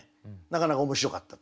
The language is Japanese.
なかなか面白かった。